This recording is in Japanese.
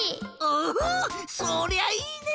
おおそりゃいいね！